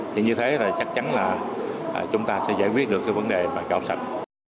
thì như thế là chắc chắn là chúng ta sẽ giải quyết được cái vấn đề mà cho sạch